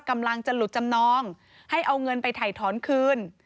กำลังจะหลุดจำนองให้เอาเงินไปถ่ายถอนคืน